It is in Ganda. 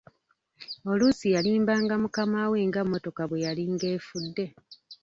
Oluusi yalimbanga mukama we nga mmotoka bwe yalinga efudde.